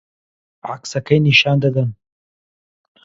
عەکسەکەی نیشان دەدەن